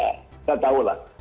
kita tahu lah